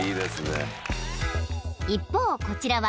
［一方こちらは］